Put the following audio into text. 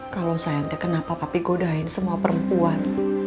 kalau sayang teh kenapa papi godain semua perempuan